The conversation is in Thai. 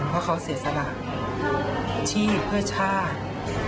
เพราะเขาเสียสละที่เพื่อชาติ